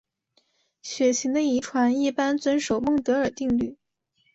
血型的遗传一般遵守孟德尔定律。